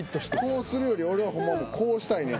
こうするより俺はホンマこうしたいねん。